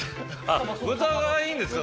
豚がいいんですか？